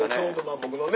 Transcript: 僕のね